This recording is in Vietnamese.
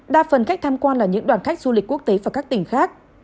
đa phần khách tham quan là những đoàn khách du lịch quốc tế và các tỉnh khác